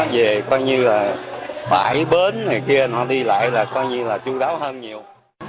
về coi như là bãi bến này kia nó đi lại là coi như là chú đáo hơn nhiều